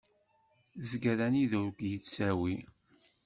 Zger anida ur k-yettawi.